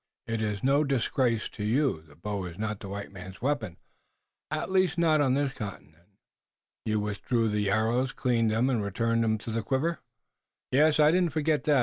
"It is no disgrace to you. The bow is not the white man's weapon, at least not on this continent. You withdrew the arrows, cleaned them and returned them to the quiver?" "Yes. I didn't forget that.